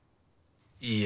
いいえ。